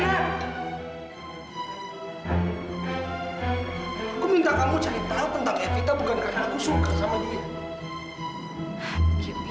aku minta kamu cari tahu tentang evita bukan karena aku suka sama dia